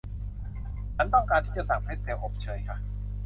ฉันต้องการที่จะสั่งเพรทเซลอบเชยค่ะ